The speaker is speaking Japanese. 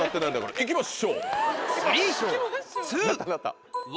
「行きましょう」。